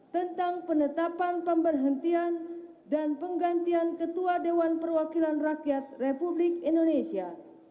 tentang penetapan pemberhentian dan penggantian ketua dewan perwakilan rakyat republik indonesia